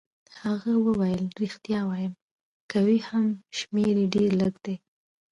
هغه وویل: ریښتیا وایم، که وي هم شمېر يې ډېر لږ دی.